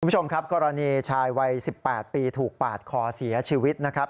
คุณผู้ชมครับกรณีชายวัย๑๘ปีถูกปาดคอเสียชีวิตนะครับ